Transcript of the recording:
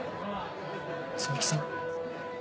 摘木さん？